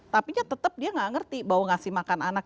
tapi dia tetap nggak ngerti bahwa ngasih makan anak